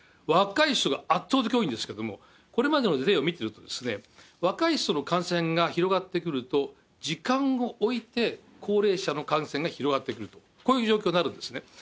若い人が圧倒的に多いんですけれども、これまでの例を見てると、若い人の感染が広がってくると、時間を置いて高齢者の感染が広がってくると、こういう状況になるんですね。